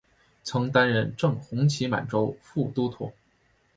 曾任正红旗满洲副都统。